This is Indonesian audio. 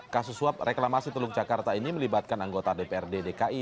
kasus suap reklamasi teluk jakarta ini melibatkan anggota dprd dki